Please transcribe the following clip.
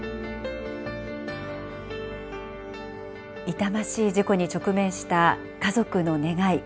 痛ましい事故に直面した家族の願い。